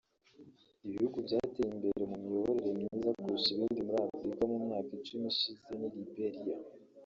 Ibihugu byateye imbere mu miyoborere myiza kurusha ibindi muri Afurika mu myaka icumi ishize ni Liberia